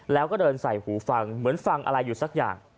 แล้วก็เดินใส่หูฟังเหมือนฟังอะไรอยู่สักอย่าง